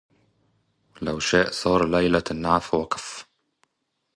لو شاء سار ليلة النعف وقف